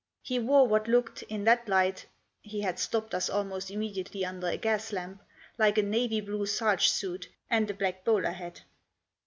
He wore what looked, in that light — he had stopped us almost immediately under a gas lamp — like a navy blue serge suit and a black bowler hat.